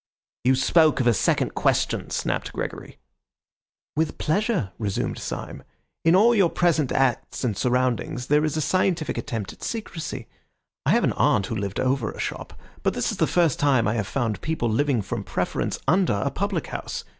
"You spoke of a second question," snapped Gregory. "With pleasure," resumed Syme. "In all your present acts and surroundings there is a scientific attempt at secrecy. I have an aunt who lived over a shop, but this is the first time I have found people living from preference under a public house.